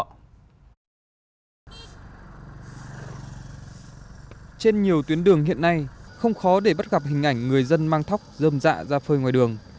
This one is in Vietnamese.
trên nhiều tuyến đường hiện nay không khó để bắt gặp hình ảnh người dân mang thóc dơm dạ ra phơi ngoài đường